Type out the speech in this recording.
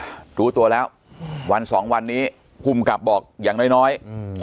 อ่ารู้ตัวแล้ววันสองวันนี้คุณกลับบอกอย่างน้อยน้อยอืม